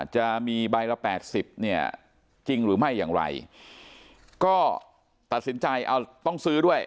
จะมีใบละแปดสิบเนี่ยจริงหรือไม่อย่างไรก็ตัดสินใจเอาต้องซื้อด้วย